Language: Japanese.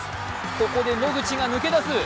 ここで野口が抜け出す。